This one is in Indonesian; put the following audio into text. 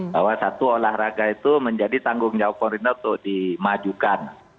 bahwa satu olahraga itu menjadi tanggung jawab pemerintah untuk dimajukan